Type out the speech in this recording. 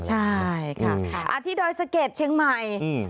ใช่ค่ะที่ดอยสะเก็ดเชียงใหม่